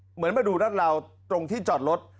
เหมือนมาดูรัดราวตรงที่จอดรถ